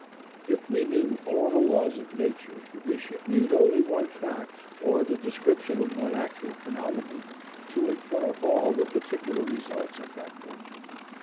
If we knew all the laws of Nature, we should need only one fact, or the description of one actual phenomenon, to infer all the particular results at that point.